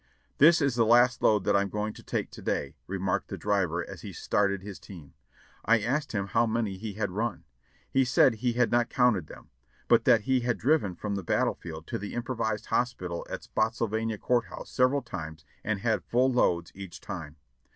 "This is the last load that I am going to take to day," re marked the driver as he started his team. I asked him how many he had run. He said he had not counted them, but that he had driven from the battle field to the improvised hospital at Spottsyl vania Court House several times and had full loads each time.